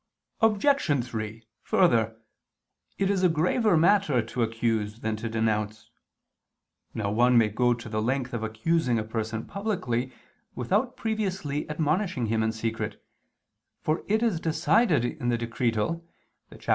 Obj. 3: Further, it is a graver matter to accuse than to denounce. Now one may go to the length of accusing a person publicly, without previously admonishing him in secret: for it is decided in the Decretal (Cap.